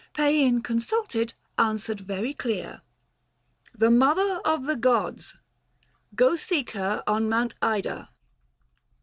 Paean consulted, answered very clear 1 The Mother of the gods, go seek her on 300 Mount Ida.'